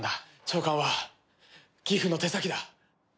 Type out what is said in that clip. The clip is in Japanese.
長官はギフの手先だ。